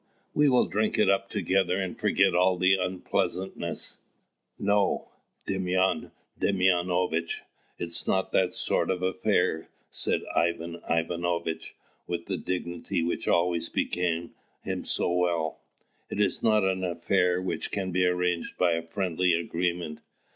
We will drink it up together and forget all unpleasantness." "No, Demyan Demyanovitch! it's not that sort of an affair," said Ivan Ivanovitch, with the dignity which always became him so well; "it is not an affair which can be arranged by a friendly agreement.